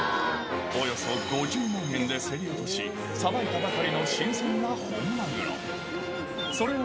およそ５０万円で競り落とし、さばいたばかりの新鮮な本マグロ。